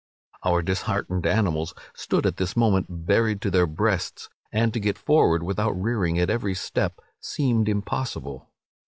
Our disheartened animals stood at this moment buried to their breasts; and to get forward, without rearing at every step, seemed impossible.